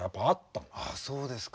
あそうですか。